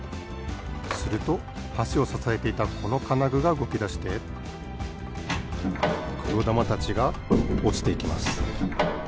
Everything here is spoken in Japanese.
するとはしをささえていたこのかなぐがうごきだしてくろだまたちがおちていきます。